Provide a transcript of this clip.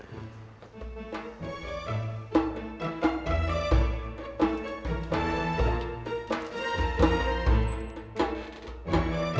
silakan duduk bang